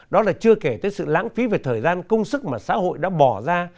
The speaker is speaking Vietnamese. đó là chưa kể tới sự lãng phí về thời gian công sức mà xã hội đã bỏ ra